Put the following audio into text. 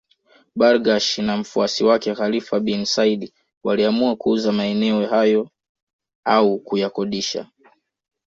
Bargash na mfuasi wake Khalifa bin Said waliamua kuuza maeneo hayo au kuyakodisha